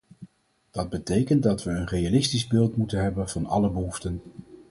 Dat betekent dat we een realistisch beeld moeten hebben van alle behoeften.